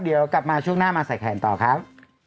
เดี๋ยวกลับมาช่วงหน้ามาใส่แขนต่อครับ